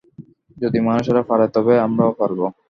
যদি মানুষেরা পারে, তবে আমরাও পারবো।